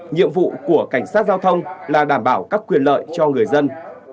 nhiệm vụ của cảnh sát giao thông là đảm bảo các quyền lợi cho người dân